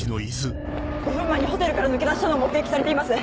５分前にホテルから抜け出したのを目撃されています。